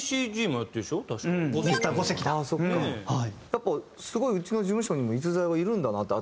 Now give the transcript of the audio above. やっぱすごいうちの事務所にも逸材はいるんだなって。